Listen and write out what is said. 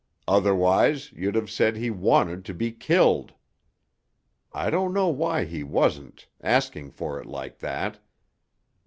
Otherwise, you'd have said he wanted to be killed. I don't know why he wasn't, asking for it like that....